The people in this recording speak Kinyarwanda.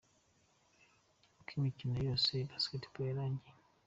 Uko imikino yose ya basketball yarangiye.